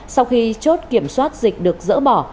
sau khi chốt kiểm soát dịch được dỡ bỏ